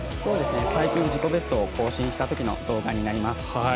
最近、自己ベストを更新したときの動画になります。